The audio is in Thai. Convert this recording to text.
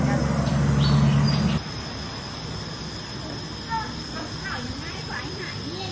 สวัสดีครับทุกคน